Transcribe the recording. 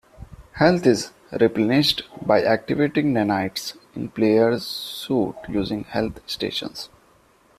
Health is replenished by activating nanites in player's suit using health stations.